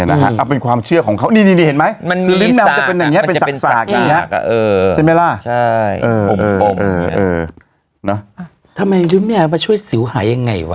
าเป็นความเชื่อของเขานี่เห็นไหม